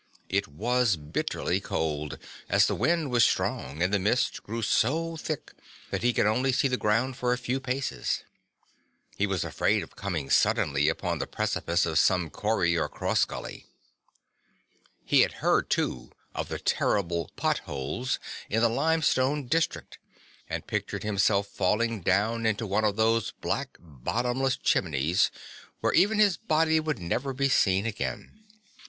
It was bitterly cold as the wind was strong and the mist grew so thick that he could only see the ground for a few paces. He was afraid of coming suddenly upon the precipice of some corrie or cross gully. He had heard too of the terrible "pot" holes in the limestone district, and pictured himself falling down into one of those black bottomless chimneys, where even his body would never be seen again.